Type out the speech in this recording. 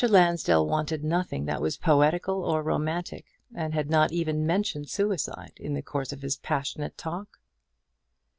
Lansdell wanted nothing that was poetical or romantic, and had not even mentioned suicide in the course of his passionate talk.